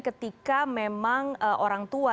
ketika memang orang tua